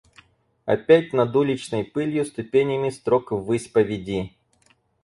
Опять над уличной пылью ступенями строк ввысь поведи!